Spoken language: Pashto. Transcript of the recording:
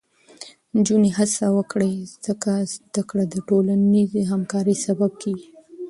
نجونې هڅه وکړي، ځکه زده کړه د ټولنیزې همکارۍ سبب کېږي.